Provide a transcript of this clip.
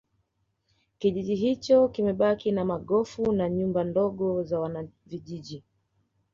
Kijiji hicho kimebaki na magofu na nyumba ndogo za wanavijiji